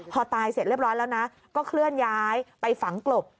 พอตายเสร็จเรียบร้อยแล้วนะก็เคลื่อนย้ายไปฝังกลบ